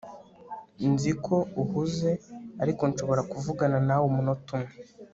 Nzi ko uhuze ariko nshobora kuvugana nawe umunota umwe